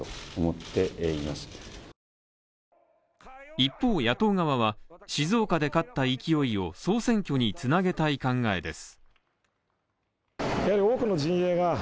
一方、野党側は静岡で勝った勢いを総選挙につなげたい考えです。